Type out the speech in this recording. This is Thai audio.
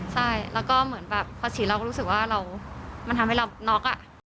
ใช่แล้วก็เหมือนแบบพอฉีดเราก็รู้สึกว่ามันทำให้เราน็อก